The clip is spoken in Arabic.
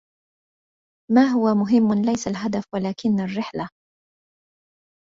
ما هو مهم ليس الهدف, ولكن الرحلة.